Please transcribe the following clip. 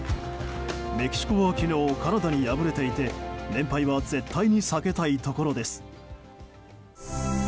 メキシコは昨日カナダに敗れていて連敗は絶対に避けたいところです。